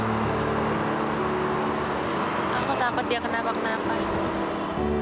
rel sebenarnya dari dulu kak fri tuh sayang banget sama lo